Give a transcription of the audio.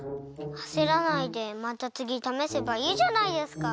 あせらないでまたつぎためせばいいじゃないですか。